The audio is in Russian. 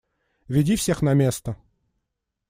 Веди всех на место.